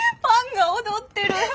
パンが踊ってる。